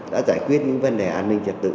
đã giải quyết những vấn đề an ninh trật tự